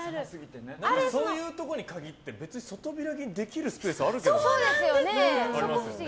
そういうところに限って外開きにできるスペースあるけどなって。